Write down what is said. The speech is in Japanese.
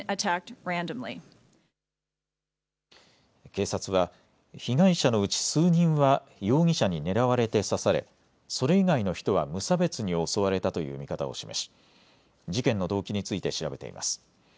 警察は被害者のうち数人は容疑者に狙われて刺されそれ以外の人は無差別に襲われたという見方を示し事件の動機について調べています。